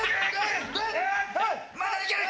まだいける！